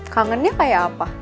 kangennya kayak apa